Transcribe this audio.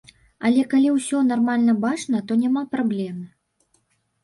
Але калі ўсё нармальна бачна, то няма праблемы.